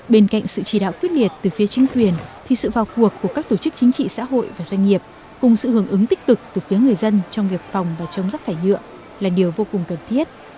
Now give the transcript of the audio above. bên cạnh sự chỉ đạo quyết liệt từ phía chính quyền thì sự vào cuộc của các tổ chức chính trị xã hội và doanh nghiệp cùng sự hướng ứng tích cực từ phía người dân trong nghiệp phòng và chống rắc thải nhựa là điều vô cùng cần thiết